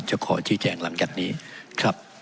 ขอชี้แจงหลังจากนี้ครับ